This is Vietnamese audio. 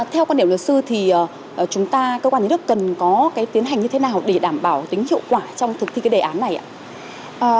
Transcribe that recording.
theo quan điểm luật sư thì chúng ta cơ quan nhà nước cần có cái tiến hành như thế nào để đảm bảo tính hiệu quả trong thực thi cái đề án này ạ